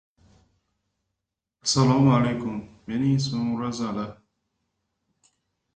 “Why must you always be fondling things?” he said irritably.